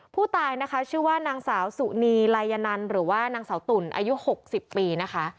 ผู้ตายนะคะชื่อว่านางสาวสุนีลายนันหรือว่านางสาวตุ่นอายุ๖๐ปีนะคะ